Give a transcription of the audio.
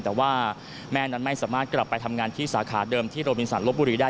แต่ว่าแม่นั้นไม่สามารถกลับไปทำงานที่สาขาเดิมที่โรบินสันลบบุรีได้